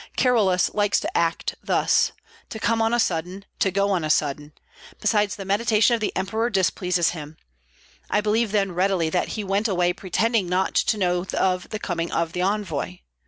Carolus likes to act thus, to come on a sudden, to go on a sudden; besides the mediation of the emperor displeases him. I believe then readily that he went away pretending not to know of the coming of the envoy.